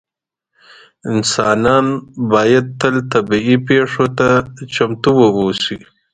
انسانان باید تل طبیعي پېښو ته چمتو اووسي.